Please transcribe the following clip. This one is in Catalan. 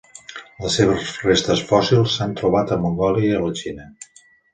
Les seves restes fòssils s'han trobat a Mongòlia i a la Xina.